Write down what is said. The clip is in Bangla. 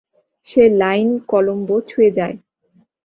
সে লাইন কলম্বো ছুঁয়ে যায়।